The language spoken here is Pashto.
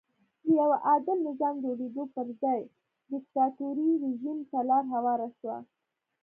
د یوه عادل نظام جوړېدو پر ځای دیکتاتوري رژیم ته لار هواره شوه.